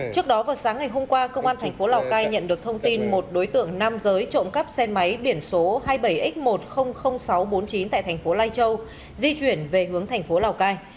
trước đó vào sáng ngày hôm qua công an thành phố lào cai nhận được thông tin một đối tượng nam giới trộm cắp xe máy biển số hai mươi bảy x một trăm linh nghìn sáu trăm bốn mươi chín tại thành phố lai châu di chuyển về hướng thành phố lào cai